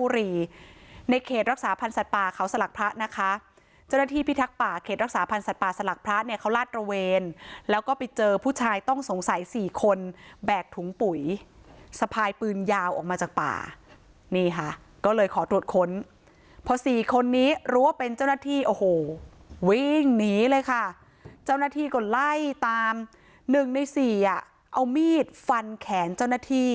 บุรีในเขตรักษาพันธ์สัตว์ป่าเขาสลักพระนะคะเจ้าหน้าที่พิทักษ์ป่าเขตรักษาพันธ์สัตว์ป่าสลักพระเนี่ยเขาลาดระเวนแล้วก็ไปเจอผู้ชายต้องสงสัยสี่คนแบกถุงปุ๋ยสะพายปืนยาวออกมาจากป่านี่ค่ะก็เลยขอตรวจค้นพอสี่คนนี้รู้ว่าเป็นเจ้าหน้าที่โอ้โหวิ่งหนีเลยค่ะเจ้าหน้าที่ก็ไล่ตามหนึ่งในสี่อ่ะเอามีดฟันแขนเจ้าหน้าที่